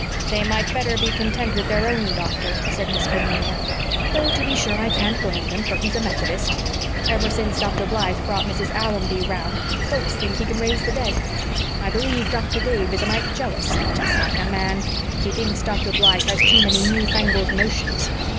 "They might better be content with their own doctor," said Miss Cornelia. "Though to be sure I can't blame them, for he's a Methodist. Ever since Dr. Blythe brought Mrs. Allonby round folks think he can raise the dead. I believe Dr. Dave is a mite jealous just like a man. He thinks Dr. Blythe has too many new fangled notions!